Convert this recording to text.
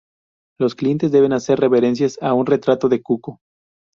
Los clientes deben hacer reverencias a un retrato de Cuco.